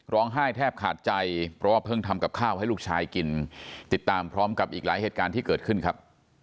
แทบขาดใจเพราะว่าเพิ่งทำกับข้าวให้ลูกชายกินติดตามพร้อมกับอีกหลายเหตุการณ์ที่เกิดขึ้นครับ